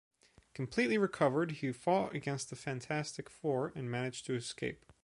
Completely recovered, he fought against the Fantastic Four, and managed to escape.